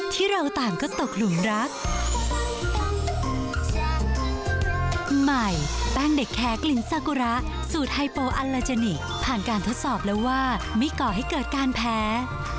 ที่ก่อให้เกิดการแพ้